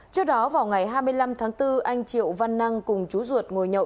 trước đó vào ngày hai mươi năm tháng bốn anh triệu văn năng cùng chú ruột ngồi nhậu